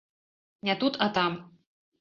Не тут, а там.